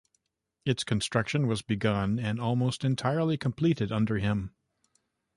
Its construction was begun and almost entirely completed under him.